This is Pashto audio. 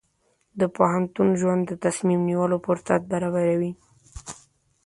د پوهنتون ژوند د تصمیم نیولو فرصت برابروي.